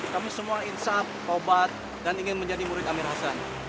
kami semua insap obat dan ingin menjadi murid amir hasan